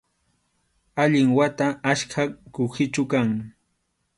Allin wata ackha kuhichu kan